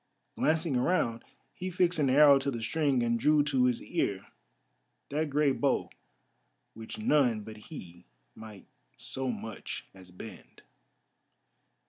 Glancing around, he fixed an arrow to the string and drew to his ear that great bow which none but he might so much as bend.